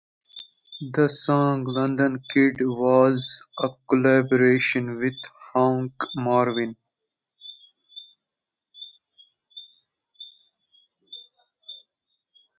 The song "London Kid" was a collaboration with Hank Marvin.